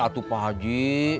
atuh pak haji